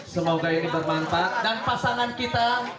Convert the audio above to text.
semoga ini bermanfaat dan pasangan kita